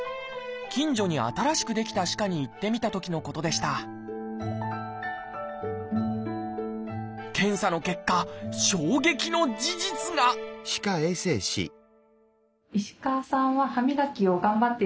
近所に新しく出来た歯科に行ってみたときのことでした検査の結果ええ！ってどういうこと！？